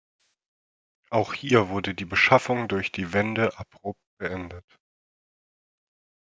Auch hier wurde die Beschaffung durch die Wende abrupt beendet.